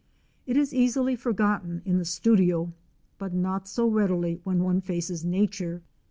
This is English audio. It is easily forgotten in the studio, but not so readily when one faces Nature.